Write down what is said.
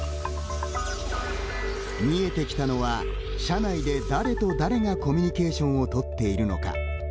見えてきたのは、社内で誰と誰がコミュニケーションをとっているのか。